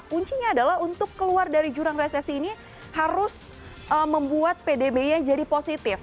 kuncinya adalah untuk keluar dari jurang resesi ini harus membuat pdb nya jadi positif